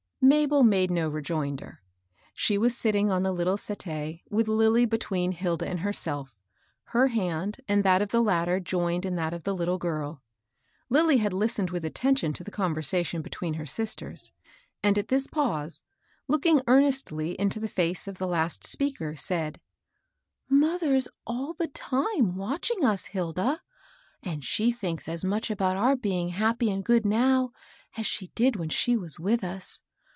Mabel made no rejoinder. She was sitting on the little settee, with Lilly between Hilda and her self, her hand and that of the latter joined in that of the Ktde girl. Lilly had listened with attention to the conversation between her sisters, and at this pause, looking earnestly into the face of the last speaker, said, —^^ Mother's all the time watching us, Hilda ; and she thinks as much about our being happy and good now as she did when she was with us.